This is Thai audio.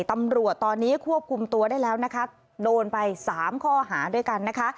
ตำรวจตอนนี้ควบคุมตัวได้แล้วนะคะโดนไปสามข้อหาด้วยกันนะคะ